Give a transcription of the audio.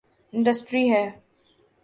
Industry ہے۔